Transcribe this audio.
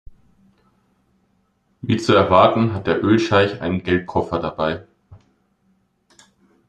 Wie zu erwarten hat der Ölscheich einen Geldkoffer dabei.